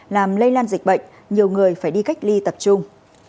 làm lây lan dịch bệnh nhiều người phải đi cách ly tập trung